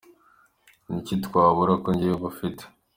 Niki twabura? , Ko njyewe ngufite..